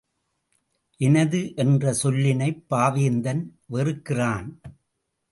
எனது என்ற சொல்லினைப் பாவேந்தன் வெறுக்கிறான்.